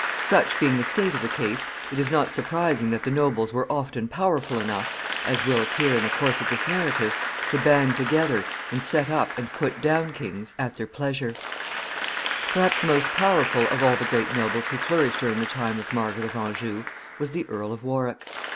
Such being the state of the case, it is not surprising that the nobles were often powerful enough, as will appear in the course of this narrative, to band together and set up and put down kings at their pleasure. [Sidenote: The Earl of Warwick.] Perhaps the most powerful of all the great nobles who flourished during the time of Margaret of Anjou was the Earl of Warwick.